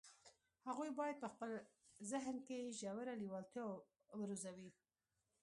هغوی بايد په خپل ذهن کې ژوره لېوالتیا وروزي.